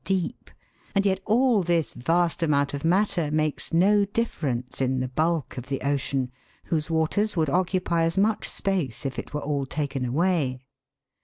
163 deep ; and yet all this vast amount of matter makes no differ ence in the bulk of the ocean, whose waters would occupy as much space if it were all taken away.